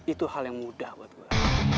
itu hal yang mudah buat gue